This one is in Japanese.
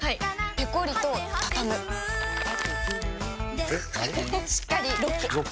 ペコリ！とたたむしっかりロック！